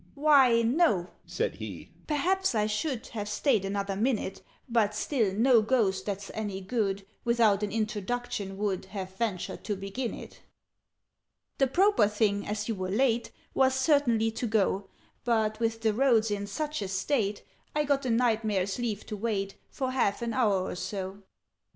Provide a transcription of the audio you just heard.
"Why, no," said he; "perhaps I should Have stayed another minute But still no Ghost, that's any good, Without an introduction would Have ventured to begin it. "The proper thing, as you were late, Was certainly to go: But, with the roads in such a state, I got the Knight Mayor's leave to wait For half an hour or so."